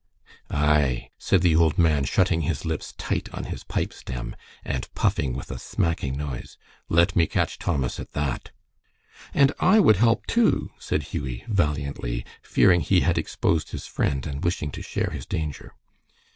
"Ay," said the old man, shutting his lips tight on his pipestem and puffing with a smacking noise, "let me catch Thomas at that!" "And I would help, too," said Hughie, valiantly, fearing he had exposed his friend, and wishing to share his danger.